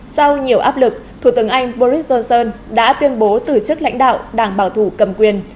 sau nhiều áp lực thủ tướng anh boris johnson đã tuyên bố từ chức lãnh đạo đảng bảo thủ cầm quyền